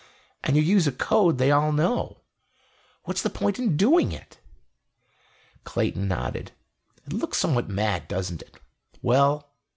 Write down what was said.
And you use a code they all know. What's the point in undoing it?" Clayton nodded. "It looks somewhat mad, doesn't it? Well